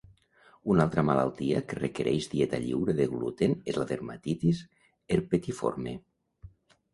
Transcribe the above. Una altra malaltia que requereix dieta lliure de gluten és la dermatitis herpetiforme.